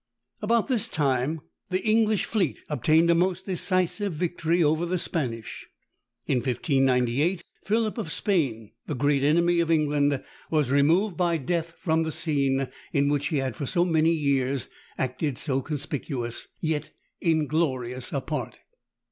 About this time the English fleet obtained a most decisive victory over the Spanish. In 1598, Philip of Spain, the great enemy of England, was removed by death from that scene, in which he had, for so many years, acted so conspicuous, yet inglorious a part.